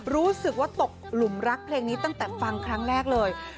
รู้สึกว่าตกหลุมรักเพลงนี้ตั้งแต่ฟังครั้งแรกเลย